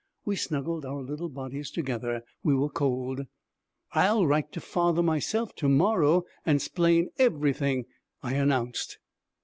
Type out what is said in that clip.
We snuggled our little bodies together. We were cold. 'I'll write to father myself, to morrow, an' 'splain everything,' I announced.